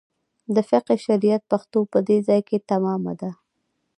د فقه شریعت پښتو په دې ځای کې تمامه ده.